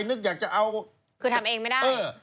คือทำเองไม่ได้